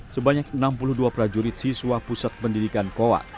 sebanyak enam puluh dua prajurit siswa pusat pendidikan kowa